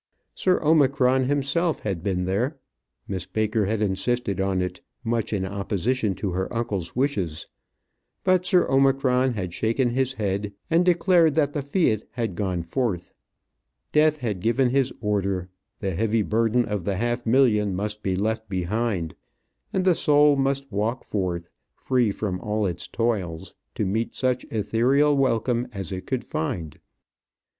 Sir Omicron himself had been there. Miss Baker had insisted on it, much in opposition to her uncle's wishes. But Sir Omicron had shaken his head and declared that the fiat had gone forth. Death had given his order; the heavy burden of the half million must be left behind, and the soul must walk forth, free from all its toils, to meet such æthereal welcome as it could find.